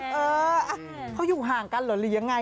เออเขาอยู่ห่างกันเหรอหรือยังไง